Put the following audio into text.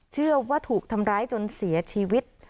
เชื่อว่าถูกทำร้ายจนเสียชีวิต